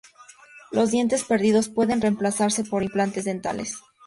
Los dientes perdidos pueden reemplazarse por implantes dentales.